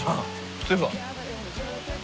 そういえば。